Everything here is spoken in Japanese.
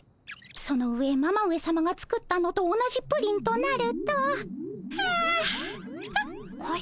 その上ママ上さまが作ったのと同じプリンとなると。はあはっこれは。